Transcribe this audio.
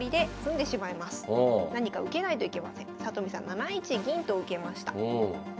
７一銀と受けました。